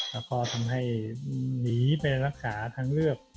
แล้วก็ทำให้หนีไปรักษาทางเลือก